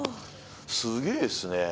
すげえっすね。